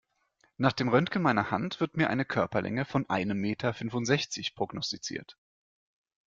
Nach dem Röntgen meiner Hand wird mir eine Körperlänge von einem Meter fünfundsechzig prognostiziert.